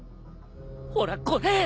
ほらこれ！